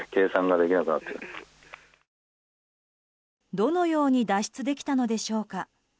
どのように脱出できたのでしょうか。